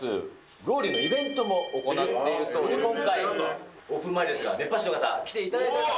ロウリュウのイベントも行っているそうで、今回、オープン前ですので、熱波師の方、来ていただいております。